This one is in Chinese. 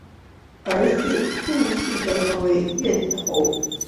儿子苻馗被封为越侯。